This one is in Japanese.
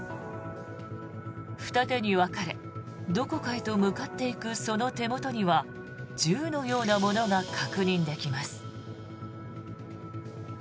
二手に分かれどこかへと向かっていくその手元には銃のようなものが確認できます。